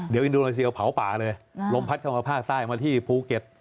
เดี๋ยวอินโดนีเซียเผาป่าเลยลมพัดเข้ามาภาคใต้มาที่ภูเก็ต